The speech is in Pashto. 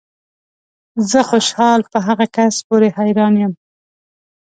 زه خوشحال په هغه کس پورې حیران یم